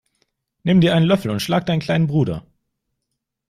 Nimm dir einen Löffel und schlag deinen kleinen Bruder!